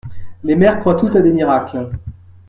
Les mères croient toutes à des miracles.